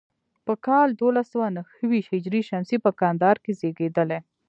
په کال دولس سوه نهو ویشت هجري شمسي په کندهار کې زیږېدلی.